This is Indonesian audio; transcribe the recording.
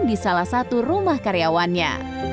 di salah satu rumah karyawannya